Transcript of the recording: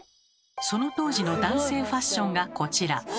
その当時の男性ファッションがこちら。